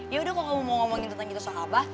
yaudah kok kamu mau ngomongin tentang kita sama abah